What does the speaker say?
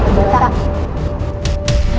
aku yang bakal ngelakuin dia